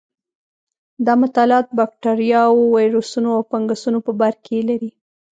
دا مطالعات بکټریاوو، ویروسونو او فنګسونو په برکې لري.